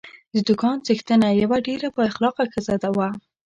د دوکان څښتنه یوه ډېره با اخلاقه ښځه وه.